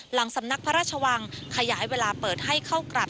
หลังสำนักพระราชวังขยายเวลาเปิดให้เข้ากลับ